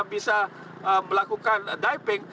bisa melakukan diving